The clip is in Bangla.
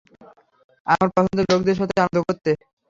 আর আমার পছন্দের লোকদের সাথে আনন্দ করতে।